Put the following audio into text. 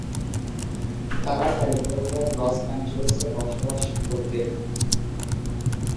তারা ক্যালিফোর্নিয়ার লস অ্যাঞ্জেলেসে বসবাস করতেন।